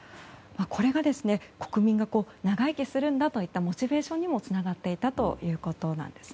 これが国民が長生きするんだといったモチベーションにもつながっていたということです。